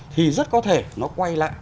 thì rất có thể nó quay lại